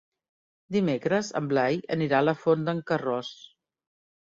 Dimecres en Blai anirà a la Font d'en Carròs.